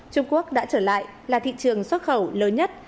trung quốc đã trở lại là thị trường xuất khẩu lớn nhất